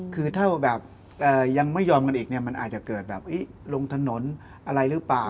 คือถ้าแบบยังไม่ยอมกันอีกเนี่ยมันอาจจะเกิดแบบลงถนนอะไรหรือเปล่า